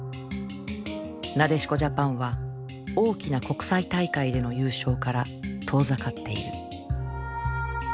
なでしこジャパンは大きな国際大会での優勝から遠ざかっている。